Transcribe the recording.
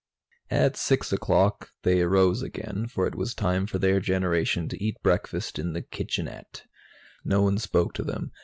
At six o'clock, they arose again, for it was time for their generation to eat breakfast in the kitchenette. No one spoke to them.